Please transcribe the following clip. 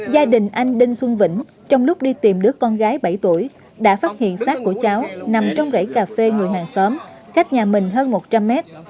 gia đình anh đinh xuân vĩnh trong lúc đi tìm đứa con gái bảy tuổi đã phát hiện sát của cháu nằm trong rẫy cà phê người hàng xóm cách nhà mình hơn một trăm linh mét